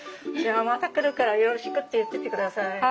じゃあまた来るからよろしくって言っててください。